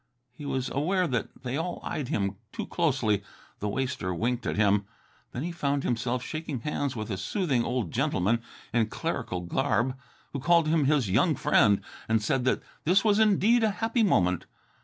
He was aware that they all eyed him too closely. The waster winked at him. Then he found himself shaking hands with a soothing old gentleman in clerical garb who called him his young friend and said that this was indeed a happy moment.